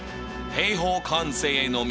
平方完成への道